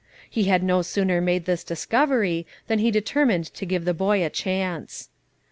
He had no sooner made this discovery than he determined to give the boy a chance.